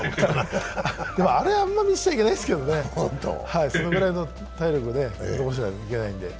でも、あれはあんま見せちゃいけないですけどね、それくらいの体力は残しておかないといけないので。